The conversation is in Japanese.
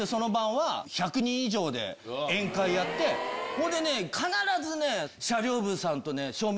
ほいでね必ずね。